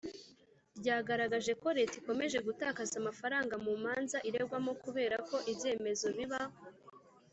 ryagaragaje ko Leta ikomeje gutakaza amafaranga mu manza iregwamo kubera ko ibyemezo biba